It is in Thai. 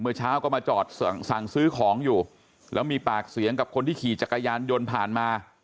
เมื่อเช้าก็มาจอดสั่งซื้อของอยู่แล้วมีปากเสียงกับคนที่ขี่จักรยานยนต์ผ่านมา